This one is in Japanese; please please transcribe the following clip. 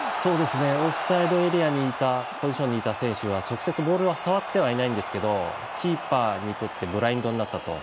オフサイドポジションにいた選手は直接ボールは触ってはいないんですけどキーパーにとってブラインドになったと。